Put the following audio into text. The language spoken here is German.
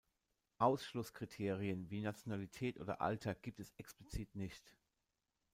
Ausschlusskriterien wie Nationalität oder Alter gibt es explizit nicht.